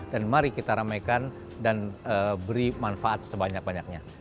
dan mari kita ramaikan dan beri manfaat sebanyak banyaknya